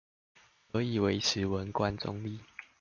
可以維持文官中立